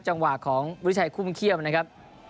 จังหวะของวิชัยคุ่มเขี้ยมนะครับ